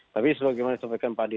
tapi sebagaimana sampaikan pak hadi